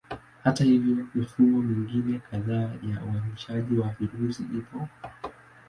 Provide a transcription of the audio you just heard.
Hata hivyo, mifumo mingine kadhaa ya uainishaji wa virusi ipo.